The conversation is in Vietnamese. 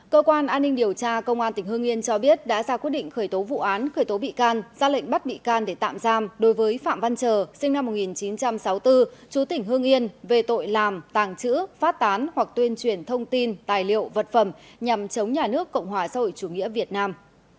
cơ quan an ninh điều tra công an tỉnh hương yên cho biết đã ra quyết định khởi tố vụ án khởi tố bị can ra lệnh bắt bị can để tạm giam đối với phạm văn trờ sinh năm một nghìn chín trăm sáu mươi bốn chú tỉnh hương yên về tội làm tàng trữ phát tán hoặc tuyên truyền thông tin tài liệu vật phẩm nhằm chống nhà nước cộng hòa xã hội chủ nghĩa việt nam